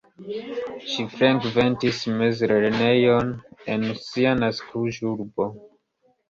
Ŝi frekventis mezlernejon en sia naskiĝurbo.